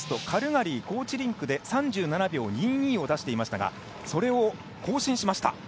カルガリー高地リンクで３７秒２２を出していましたがそれを更新しました。